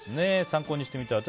参考にしてみたい！？